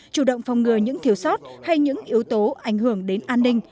chủ động phòng ngừa những thiếu sót hay những yếu tố ảnh hưởng đến an ninh